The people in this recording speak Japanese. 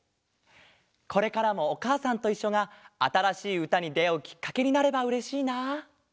これからも「おかあさんといっしょ」があたらしいうたにであうきっかけになればうれしいな。